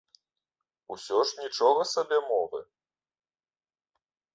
Усё ж нічога сабе мовы.